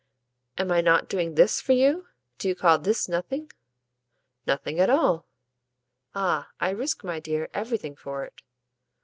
"Am I not doing THIS for you? Do you call this nothing?" "Nothing at all." "Ah I risk, my dear, everything for it."